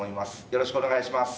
よろしくお願いします。